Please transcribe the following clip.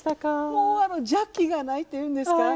もう邪気がないというんですか。